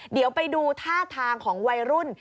เดี๋ยวไปดูท่าทางของวัยรุ่น